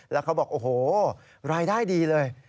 แล้วเขาบอกโอ้โหรายได้ดีเลย